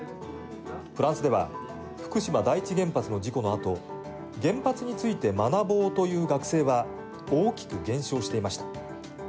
フランスでは福島第一原発の事故のあと原発について学ぼうという学生は大きく減少していました。